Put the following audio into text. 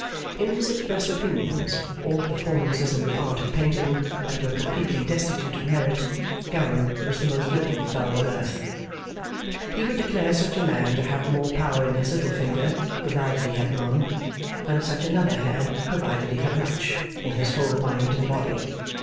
In his expressed opinions of all performances in the Art of painting that were completely destitute of merit, Gowan was the most liberal fellow on earth. He would declare such a man to have more power in his little finger (provided he had none), than such another had (provided he had much) in his whole mind and body.